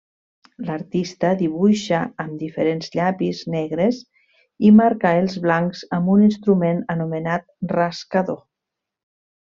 L'artista dibuixa amb diferents llapis negres i marca els blancs amb un instrument anomenat rascador.